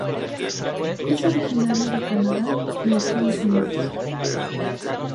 Es originario de Canadá y Estados Unidos.